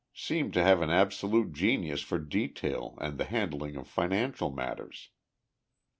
Seemed to have an absolute genius for detail and the handling of financial matters.